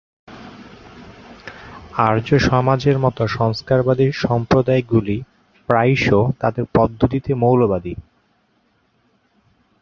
আর্য সমাজের মতো সংস্কারবাদী সম্প্রদায়গুলি প্রায়শই তাদের পদ্ধতিতে মৌলবাদী।